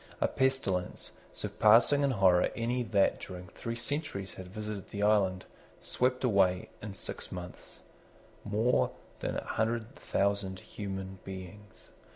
A pestilence, surpassing in horror any that during three centuries had visited the island, swept away, in six mouths, more than a hundred thousand human beings.